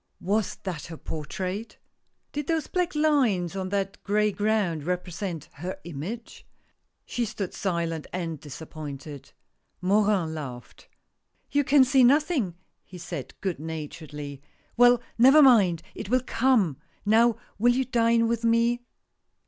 Was that her portrait! Did those black lines on that gray ground represent her image ? She stood silent and disappointed. Morin laughed. *'You can see nothing!" he said, good naturedly. "Well, never mind, it will come ! Now, will you dine with me?"